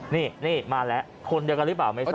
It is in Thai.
นี่มาแล้วคนเดียวกันหรือเปล่าไม่ทราบ